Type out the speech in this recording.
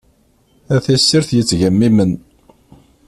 A tissirt yettgemimen.